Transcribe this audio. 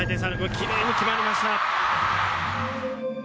きれいに決まりました。